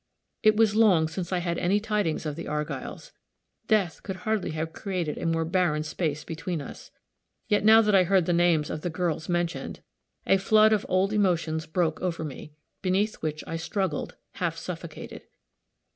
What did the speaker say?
It was long since I had any tidings of the Argylls death could hardly have created a more barren space between us. Yet, now that I heard the names of the girls mentioned, a flood of old emotions broke over me, beneath which I struggled, half suffocated.